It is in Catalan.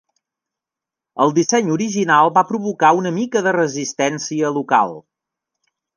El disseny original va provocar una mica de resistència local.